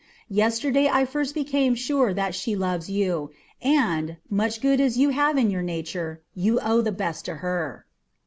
Yesterday I first became sure that she loves you, and, much good as you have in your nature, you owe the best to her."